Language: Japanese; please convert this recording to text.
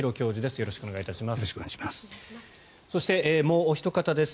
よろしくお願いします。